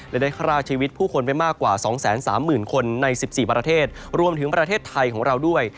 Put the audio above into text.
และได้ฆ่าชีวิตผู้คนไปมากกว่า๒๓๐๐๐คนใน๑๔ประเทศรวมถึงประเทศไทยของเราด้วย